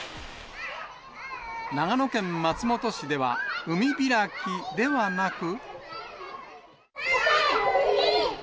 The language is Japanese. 長野県松本市では、海開きではなく。